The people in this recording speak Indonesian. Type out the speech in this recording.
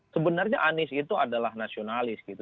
sebenarnya anies itu adalah nasionalis gitu